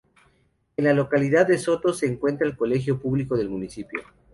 En la localidad de Sotos se encuentra el colegio público del municipio.